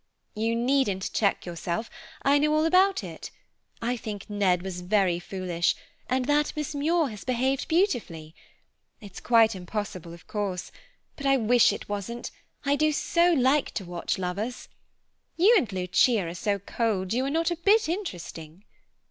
"You needn't check yourself, I know all about it. I think Ned was very foolish, and that Miss Muir has behaved beautifully. It's quite impossible, of course, but I wish it wasn't, I do so like to watch lovers. You and Lucia are so cold you are not a bit interesting."